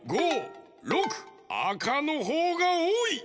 あかのほうがおおい。